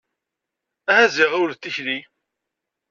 Aha ziɣ ɣiwel tikli.